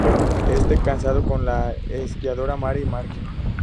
Está casado con la esquiadora Marie Marchand-Arvier.